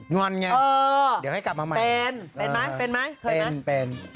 งอนไงเออเดี๋ยวให้กลับมาใหม่เป็นเป็นไหมเป็นไหมเคยไหมเป็น